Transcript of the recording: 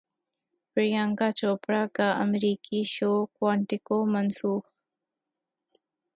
پریانکا چوپڑا کا امریکی show Quantico منسوخ